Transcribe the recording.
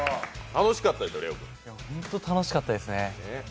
本当に楽しかったですね。